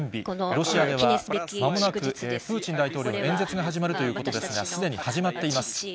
ロシアではまもなく、プーチン大統領の演説が始まるということですが、すでに始まっています。